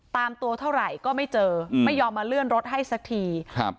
ตามตัวเท่าไหร่ก็ไม่เจออืมไม่ยอมมาเลื่อนรถให้สักทีครับ